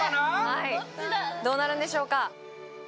はいどうなるんでしょうか？